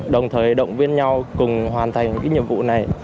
đồng thời động viên nhau cùng hoàn thành cái nhiệm vụ này